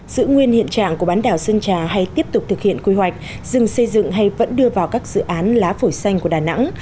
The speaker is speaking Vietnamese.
giữ nguyên hiện trạng của bán đảo sơn trà hay tiếp tục thực hiện quy hoạch rừng xây dựng hay vẫn đưa vào các dự án lá phổi xanh của đà nẵng